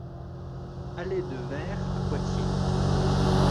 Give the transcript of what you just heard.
Allée de Vayres à Poitiers